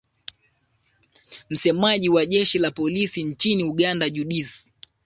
msemaji wa jeshi la polisi nchini uganda judith